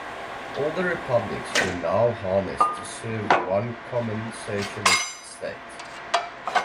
All the Republics were now harnessed to serve one common socialist state.